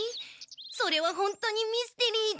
それは本当にミステリーだ。